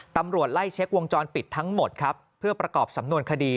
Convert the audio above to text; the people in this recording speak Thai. ตำรวจไล่เช็ควงจรปิดทั้งหมดครับเพื่อประกอบสำนวนคดี